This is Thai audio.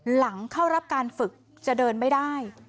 หลังเข้ารับการฝึกจะเดินไม่ได้